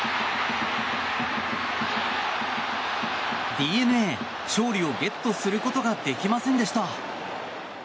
ＤｅＮＡ勝利をゲットすることができませんでした。